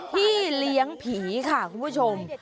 พี่เลี้ยงผีค่ะคุณผู้ชม